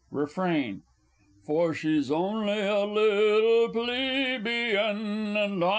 Refrain For she's only a little Plebeian, &c.